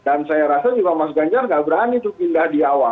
dan saya rasa juga mas ganjar nggak berani tuh pindah di awal